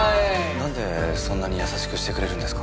なんでそんなに優しくしてくれるんですか？